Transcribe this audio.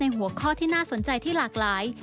หัวข้อที่น่าสนใจที่หลากหลาย